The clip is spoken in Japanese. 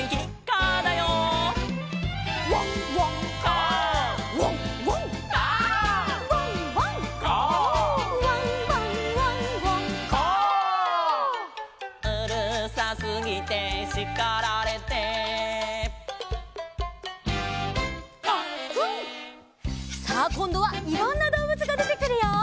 「カックン」さあこんどはいろんなどうぶつがでてくるよ。